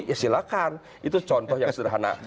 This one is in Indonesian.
ya silahkan itu contoh yang sederhana